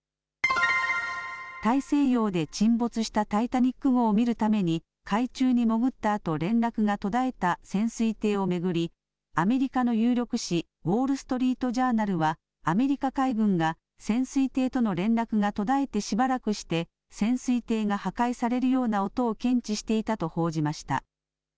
大西洋で沈没したタイタニック号を見るために海中に潜ったあと連絡が途絶えた潜水艇を巡りアメリカの有力紙、ウォール・ストリート・ジャーナルはアメリカ海軍が潜水艇との連絡が途絶えてしばらくして潜水艇が破壊されるような音を検知していたと報じました。